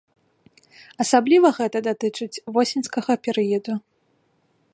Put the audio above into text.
Асабліва гэта датычыць восеньскага перыяду.